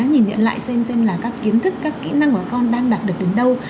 nhìn nhận lại xem xing là các kiến thức các kỹ năng của con đang đạt được đến đâu